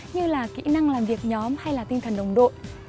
như là kỹ năng làm việc nhóm hay là tinh thần đồng đội